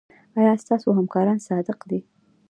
ایا ستاسو همکاران صادق دي؟